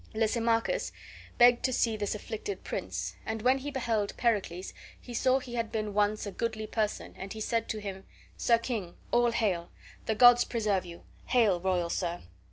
Lysimachus begged to see this afflicted prince, and when he beheld Pericles he saw he had been once a goodly person, and he said to him: "Sir king, all hail! The gods preserve you! Hail, royal sir!"